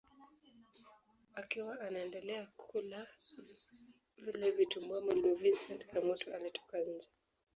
Akiwa anaendelea kula vile vitumbua mwalimu Vincent Kamoto alitoka nje